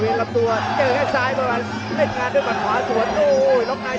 มีแม้ตัดมาเสียบบนคอร์ซายเซียบทั้งคอร์ซาย